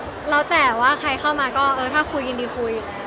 เออไม่รู้ฮะแล้วแต่ว่าใครเข้ามาก็เออถ้าคุยยินดีคุยอีกแล้ว